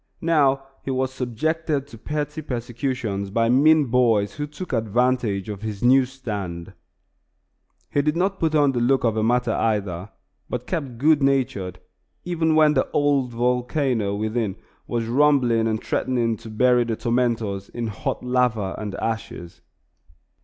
Now he was subjected to petty persecutions by mean boys who took advantage of his new stand. He did not put on the look of a martyr either, but kept good natured even when the old volcano within was rumbling and threatening to bury the tormentors in hot lava and ashes.